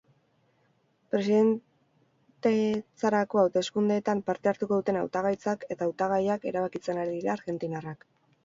Presidentetzarako hauteskundeetan parte hartuko duten hautagaitzak eta hautagaiak erabakitzen ari dira argentinarrak.